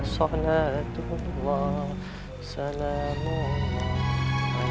salatullah salamullah ala ya'yatuhu